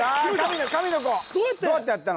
どうやってやったの？